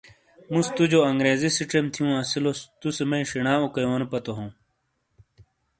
مُوسے توجو انگریزی سِیچیم تھیوں اسِیلوس تُوسے میئی شینا اوکایونو پاتو ہوں۔